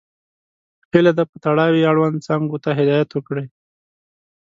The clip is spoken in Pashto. هیله ده په تړاو یې اړوند څانګو ته هدایت وکړئ.